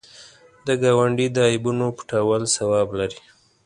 د ګاونډي د عیبونو پټول ثواب لري